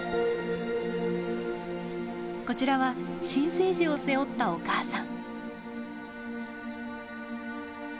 こちらは新生児を背負ったお母さん。